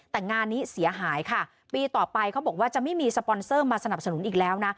แต่งานนี้เสียหายค่ะปีต่อไปเขาบอกว่าจะไม่มีสปอนเซอร์มาสนับสนุนอีกแล้วนะ